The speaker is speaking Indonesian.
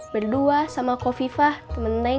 berdua sama kofifah temeneng